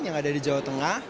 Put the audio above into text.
yang ada di jawa tengah